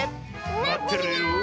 まってるよ！